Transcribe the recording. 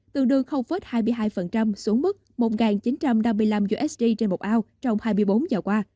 tương đương hai mươi hai xuống mức một chín trăm năm mươi năm usd trên một ao trong hai mươi bốn giờ qua